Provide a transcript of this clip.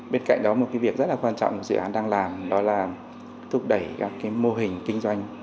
bên cạnh đó một cái việc rất là quan trọng dự án đang làm đó là thúc đẩy các mô hình kinh doanh